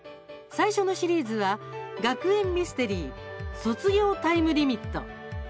最初のシリーズは学園ミステリー「卒業タイムリミット」。